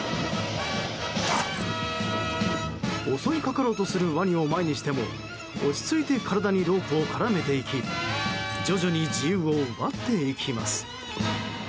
襲いかかろうとするワニを前にしても落ち着いて体にロープを絡めていき徐々に自由を奪っていきます。